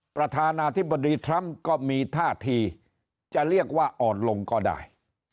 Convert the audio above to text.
ประธานาธิบดีทรัมป์ก็มีท่าทีจะเรียกว่าอ่อนลงก็ได้